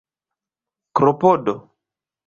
klopodo